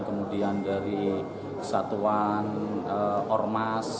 kemudian dari kesatuan ormas